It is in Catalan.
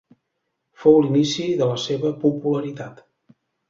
Fou l'inici de la seva popularitat.